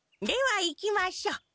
では行きましょう。